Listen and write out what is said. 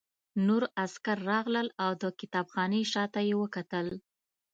نور عسکر راغلل او د کتابخانې شاته یې وکتل